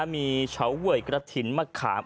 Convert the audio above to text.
มีเฉาเวยกระถิ่นมะขาม